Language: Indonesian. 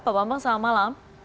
pak bambang selamat malam